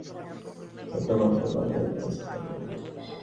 আশা করা যায় আগামী অর্থবছরে সড়কটি সংস্কারসহ প্রশস্তকরণের জন্য বরাদ্দ পাওয়া যাবে।